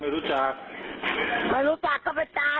ไม่รู้จักไม่รู้จักก็ไปตายแสดดดดดเร้อ